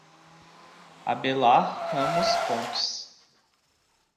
Abelar Ramos Pontes